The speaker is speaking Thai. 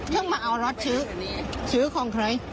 เพิ่งมาเอารถชื้อชื้อของใคร